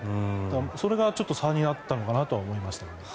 それが差になったのかなとは思いました。